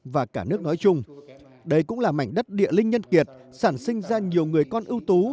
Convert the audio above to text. và cả nước nói chung đây cũng là mảnh đất địa linh nhân kiệt sản sinh ra nhiều người con ưu tú